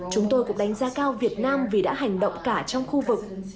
chúng tôi cũng đánh giá cao việt nam vì đã hành động cả trong khu vực